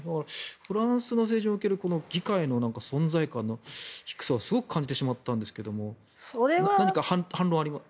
フランスの政治の議会の存在感の低さをすごく感じてしまったんですが何か反論は？